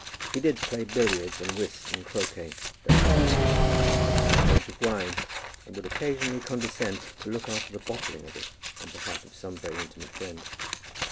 He did play billiards, and whist, and croquet very badly. He was a good judge of wine, and would occasionally condescend to look after the bottling of it on behalf of some very intimate friend.